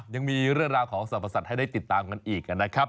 ยังมีเรื่องราวของสรรพสัตว์ให้ได้ติดตามกันอีกนะครับ